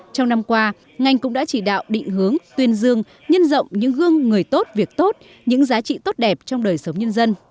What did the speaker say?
trong năm qua ngành cũng đã chỉ đạo định hướng tuyên dương nhân rộng những gương người tốt việc tốt những giá trị tốt đẹp trong đời sống nhân dân